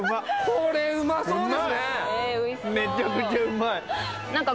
これうまそうですね